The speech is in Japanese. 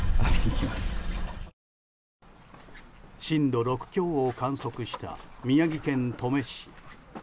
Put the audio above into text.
震度６強を観測した宮城県登米市。